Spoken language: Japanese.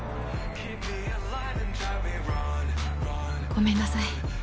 ごめんなさい。